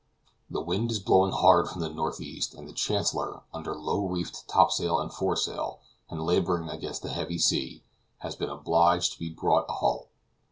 The wind is blowing hard from the northeast, and the Chancellor, under low reefed top sail and fore sail, and laboring against a heavy sea, has been obliged to be brought ahull.